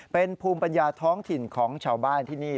เป็นภูมิปัญญาท้องถิ่นของชาวบ้านที่นี่